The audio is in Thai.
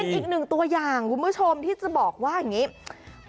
อีกหนึ่งตัวอย่างคุณผู้ชมที่จะบอกว่าอย่างนี้